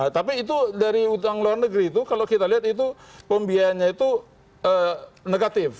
tapi itu dari utang luar negeri itu kalau kita lihat itu pembiayanya itu negatif